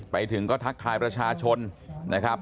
ไปถึงก็ทักทายประชาชนนะครับ